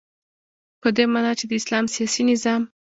په دی معنا چی د اسلام سیاسی نظام